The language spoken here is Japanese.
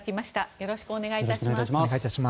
よろしくお願いします。